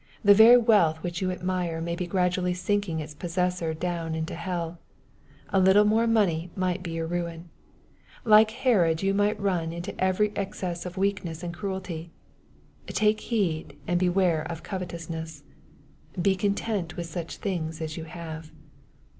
The very wealth which you admire may be gradually sinking its possessor down into hell. A little more money might be your ruin. Like Herod you might run into every excess of wickedness and cruelty. " Take heed, and beware of covetousness." " Be content with such things as you have."